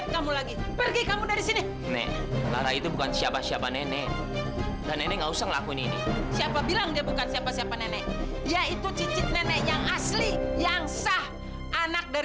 sampai jumpa di video selanjutnya